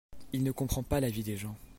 Il ne comprend pas la vie des gens.